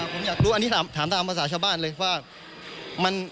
ผมอยากรู้อันนี้ถามตามภาษาชาวบ้านเลยว่า